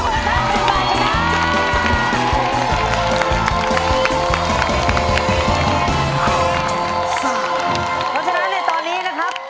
เพราะฉะนั้นในตอนนี้นะครับ